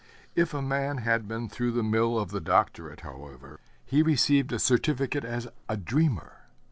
If a man had been through the mill of the Doctorate, however, he received a certificate as a dreamer.